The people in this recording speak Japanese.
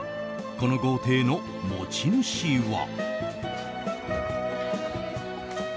この豪邸の持ち主は。